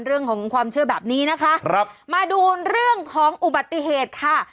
เรื่องของความเชื่อแบบนี้นะคะครับมาดูเรื่องของอุบัติเหตุค่ะ